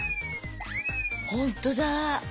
ほんとだ！